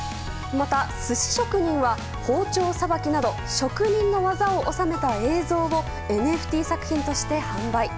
また、寿司職人は包丁さばきなど職人の技を収めた映像をＮＦＴ作品として販売。